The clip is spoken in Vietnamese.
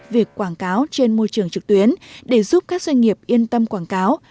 việc quảng cáo trên môi trường trực tuyến để giúp các doanh nghiệp yên tâm quảng cáo